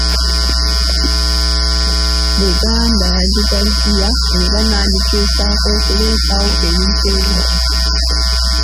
Buganda yagigaziya era n'agikyusaako okuleetawo ebintu ebiggya.